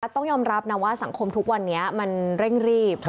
ต้องยอมรับนะว่าสังคมทุกวันนี้มันเร่งรีบ